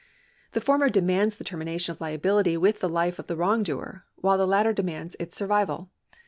The former demands the termination of liability with the life of the wrongdoer, while the latter demands its survival.